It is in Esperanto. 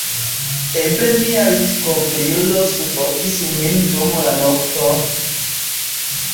Eble mia litkovrilo sufokis min dum la nokto...